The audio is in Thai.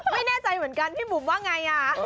ไม่แน่ใจเหมือนกันพี่บุ๋มว่าไง